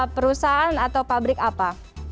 perusahaan atau pabrik apa